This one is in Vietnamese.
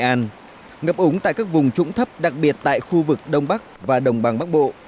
và nghệ an ngập ống tại các vùng trũng thấp đặc biệt tại khu vực đông bắc và đồng bằng bắc bộ